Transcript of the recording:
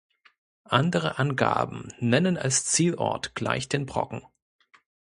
Andere Angaben nennen als Zielort gleich den Brocken.